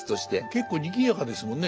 結構にぎやかですもんね。